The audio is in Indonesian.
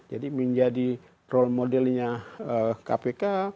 jadi menjadi role modelnya kpk